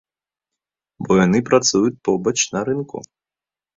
Бо яны працуюць побач на рынку.